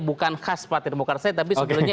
bukan khas partai demokrat saya tapi sebelumnya